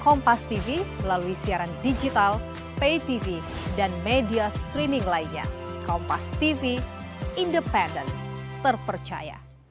kompas tv melalui siaran digital pay tv dan media streaming lainnya kompas tv independen terpercaya